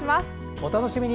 お楽しみに！